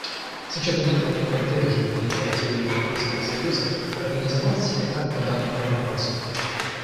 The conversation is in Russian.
С учетом этого мы поддерживаем инициативу Европейского союза организовать семинар по данному вопросу.